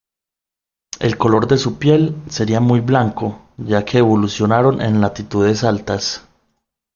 El color de su piel sería muy blanco, ya que evolucionaron en latitudes altas.